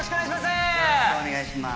よろしくお願いします！